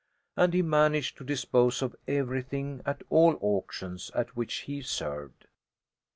And he managed to dispose of everything at all auctions at which he served.